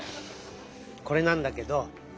これなんだけど。